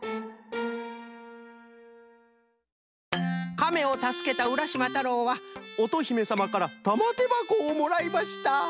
「カメをたすけたうらしまたろうはおとひめさまからたまてばこをもらいました。